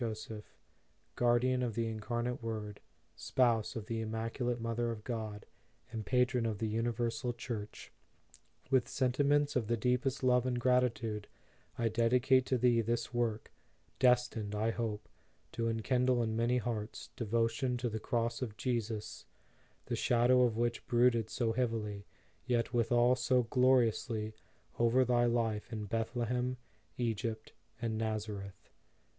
JOSEPH ; Guardian of the Incarnate Word, Spouse of the Im maculate Mother of God, and Patron of the Universal Church; with sentiments of the deepest love and gratitude, I dedicate to thee this work, destined, I hope, to enkindle in many hearts, devotion to the Cross of Jesus, the shadow of which brooded so heavily, yet withal so gloriously, over thy life in Bethle hem, Egypt, and Nazareth.